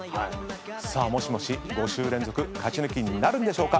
さあモシモシ５週連続勝ち抜きになるんでしょうか？